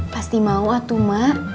pasti mau atu ma